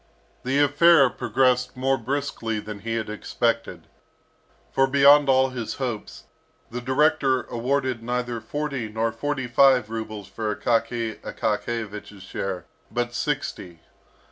The affair progressed more briskly than he had expected. For beyond all his hopes, the director awarded neither forty nor forty five rubles for Akaky Akakiyevich's share, but sixty.